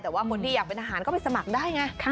แต่ว่าคนที่อยากเป็นทหารก็ไปสมัครได้ไง